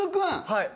はい。